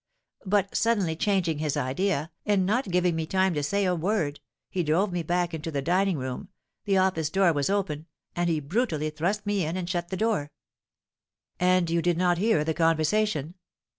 But, suddenly changing his idea, and not giving me time to say a word, he drove me back into the dining room; the office door was open, and he brutally thrust me in and shut the door." "And you did not hear the conversation?"